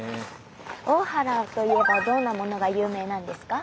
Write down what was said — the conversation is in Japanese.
大原といえばどんなものが有名なんですか？